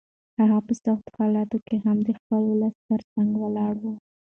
هغه په سختو حالاتو کې هم د خپل ولس تر څنګ ولاړ و.